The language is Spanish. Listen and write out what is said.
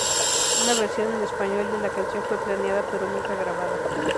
Una versión en español de la canción fue planeada pero nunca grabada.